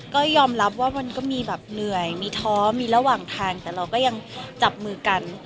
ก็ยอมรับว่ามันก็มีแบบเหนื่อยมีท้อมีระหว่างทางแต่เราก็ยังจับมือกัน